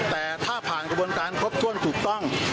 แต่ถ้าผ่านกระบวนการครบถ้วนถูกต้อง